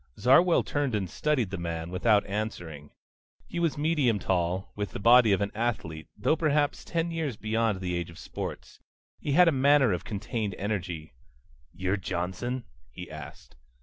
Zarwell turned and studied the man without answering. He was medium tall, with the body of an athlete, though perhaps ten years beyond the age of sports. He had a manner of contained energy. "You're Johnson?" he asked.